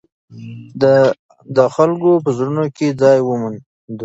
ده د خلکو په زړونو کې ځای وموند.